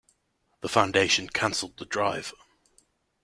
The Foundation canceled the drive.